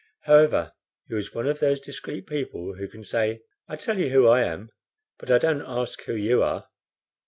However, he was one of those discreet people who can say, "I tell you who I am, but I don't ask who you are."